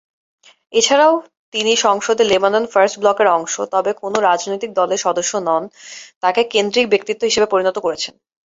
এছাড়াও, তিনি সংসদে লেবানন ফার্স্ট ব্লকের অংশ, তবে কোনও রাজনৈতিক দলের সদস্য নন, তাকে কেন্দ্রিক ব্যক্তিত্ব হিসাবে পরিণত করেছেন।